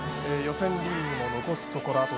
予選リーグも残すところ